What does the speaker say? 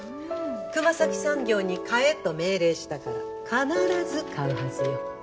熊咲産業に買えと命令したから必ず買うはずよ。